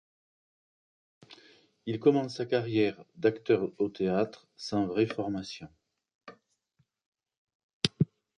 Il commence sa carrière d'acteur au théâtre, sans vraie formation.